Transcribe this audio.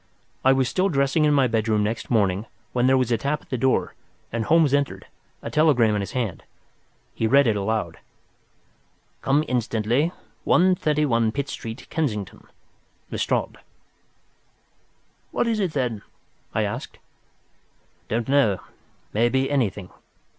I was still dressing in my bedroom next morning, when there was a tap at the door and Holmes entered, a telegram in his hand. He read it aloud: "Come instantly, 131, Pitt Street, Kensington.—LESTRADE." "What is it, then?" I asked. "Don't know—may be anything.